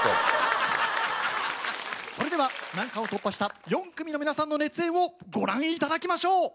それでは難関を突破した４組の皆さんの熱演をご覧頂きましょう！